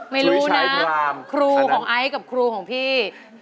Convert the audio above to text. ไม่รู้นะครูของไอซ์กับครูของพี่